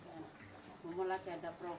turbin mati ada pln